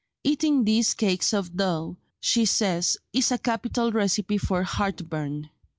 "Eating these cakes of dough," she says, "is a capital recipe for heartburn."